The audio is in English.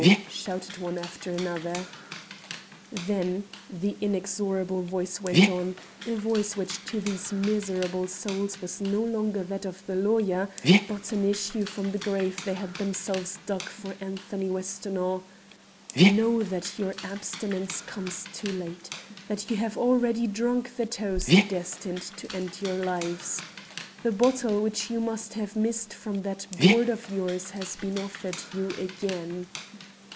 shouted one after another. "Then," the inexorable voice went on, a voice which to these miserable souls was no longer that of the lawyer, but an issue from the grave they had themselves dug for Anthony Westonhaugh, "know that your abstinence comes too late; that you have already drunk the toast destined to end your lives. The bottle which you must have missed from that board of yours has been offered you again.